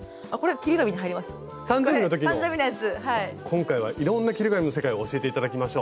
今回はいろんな切り紙の世界を教えて頂きましょう。